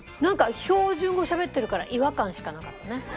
なんか標準語しゃべってるから違和感しかなかったね。